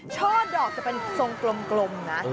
ช่อดอกจะเป็นทรงกลมนะ